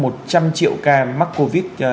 một trăm linh triệu ca mắc covid